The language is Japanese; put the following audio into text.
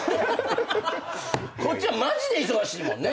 こっちはマジで忙しいもんね。